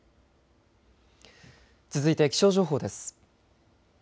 続いて気象情報です。